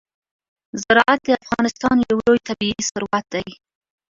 زراعت د افغانستان یو لوی طبعي ثروت دی.